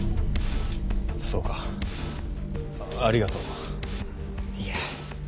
そうかありがとう。いえ。